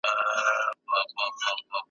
څه به وساتي ځالۍ د توتکیو !.